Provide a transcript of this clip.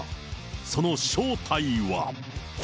その正体は。